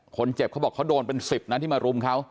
เขาบอกเขาโดนเป็น๑๐นะที่มารุมเขา